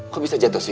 kok bisa jatuh sih